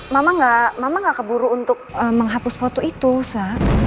mama nggak mama nggak keburu untuk menghapus foto itu sa